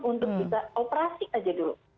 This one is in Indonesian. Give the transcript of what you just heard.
untuk kita operasi saja dulu